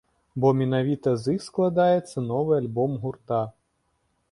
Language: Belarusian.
Бо менавіта з іх складаецца новы альбом гурта.